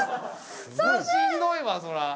しんどいわそれは。